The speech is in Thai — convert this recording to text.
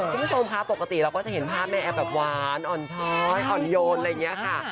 คุณผู้ชมค่ะปกติเราก็จะเห็นภาพแม่แอฟแบบหวานอ่อนช้อยอ่อนโยนอะไรอย่างนี้ค่ะ